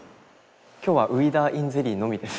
今日はウイダーｉｎゼリーのみです。